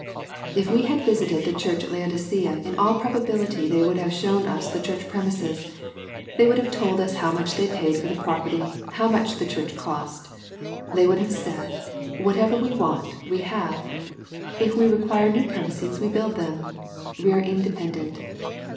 If we had visited the church at Laodicea in all probability they would have shown us the church premises, they would have told us how much they paid for the property, how much the church cost. They would have said. Whatever we want, we have. If we require new premises, we build them. We are inde pendent.